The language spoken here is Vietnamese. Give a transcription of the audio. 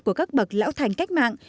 của các bậc lão thành cách mạng